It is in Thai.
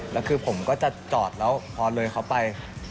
แล้วคือผมก็จะจอดแล้วพอเลยเขาไป